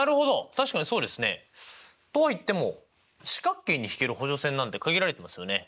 確かにそうですね！とは言っても四角形に引ける補助線なんて限られてますよね。